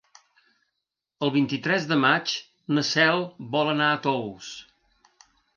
El vint-i-tres de maig na Cel vol anar a Tous.